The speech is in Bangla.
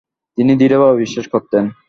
তিনি দৃঢ়ভাবে বিশ্বাস করতেন।